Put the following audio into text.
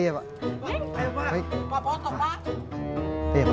mas arif ini minggu depan pasangan media